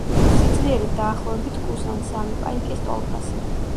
სიძლიერით დაახლოებით კუს ან სამი პაიკის ტოლფასი.